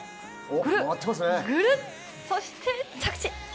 ぐるっぐるっ、そして着地。